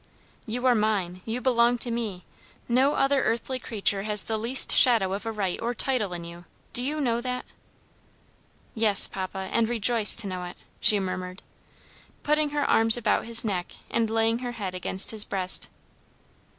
"You are mine; you belong to me; no other earthly creature has the least shadow of a right or title in you; do you know that?" "Yes, papa, and rejoice to know it," she murmured, putting her arms about his neck and laying her head against his breast.